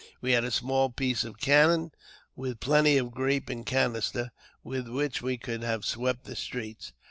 We had a small piece of cannon, with plenty of grape and canister, with which we could have swept ' the streets.